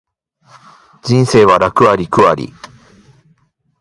人生は楽あり苦あり